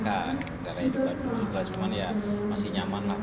karena di bandung juga cuman ya masih nyaman lah